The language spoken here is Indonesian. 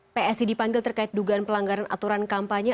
psi dipanggil terkait dugaan pelanggaran aturan kampanye